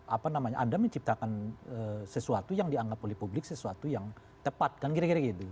apa namanya anda menciptakan sesuatu yang dianggap oleh publik sesuatu yang tepat kan kira kira gitu